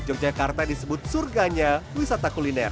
yogyakarta disebut surganya wisata kuliner